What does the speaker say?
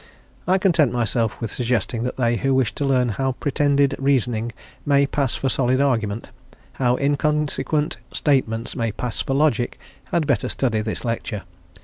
I content myself with suggesting that they who wish to learn how pretended reasoning may pass for solid argument, how inconsequent statements may pass for logic, had better study this lecture.